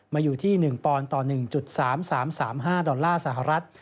มาอยู่ที่๑ปอนด์ต่อ๑๓๓๕ดอลลาร์สหรัฐ